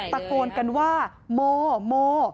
ประโกนกันว่าโม